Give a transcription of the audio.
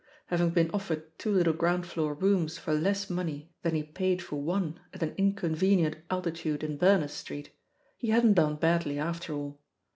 Having been offered two little ground floor rooms for less money than he paid for one at an inconvenient altitude in Bemers Street, he hadn't done badly after all.